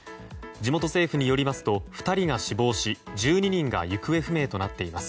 地元政府によりますと２人が死亡し１２人が行方不明となっています。